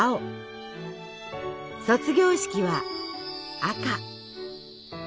卒業式は赤。